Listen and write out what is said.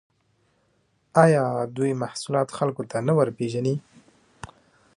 آیا دوی محصولات خلکو ته نه ورپېژني؟